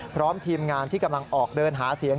พร้อมทีมงานที่กำลังออกเดินหาเสียง